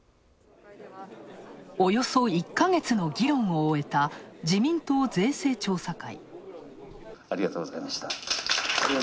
およそ１か月の議論を終えた自民党税制調査会。